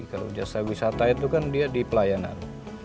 kalau jasa wisata itu kan dia di pelayanan